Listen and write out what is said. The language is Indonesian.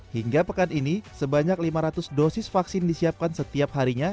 hingga pekan ini sebanyak lima ratus dosis vaksin disiapkan setiap harinya